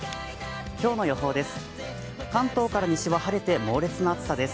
今日の予報です。